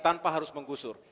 tanpa harus menggusur